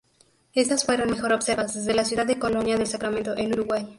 Estas fueron mejor observadas desde la ciudad de Colonia del Sacramento en Uruguay.